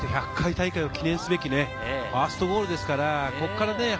１００回大会を記念すべきファーストゴールですからね。